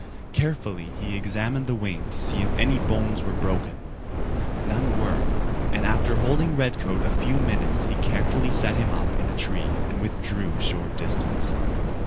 Carefully he examined the wing to see if any bones were broken. None were, and after holding Redcoat a few minutes he carefully set him up in a tree and withdrew a short distance.